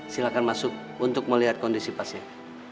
silahkan masuk untuk melihat kondisi pasien